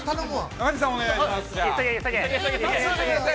◆中西さん、お願いします。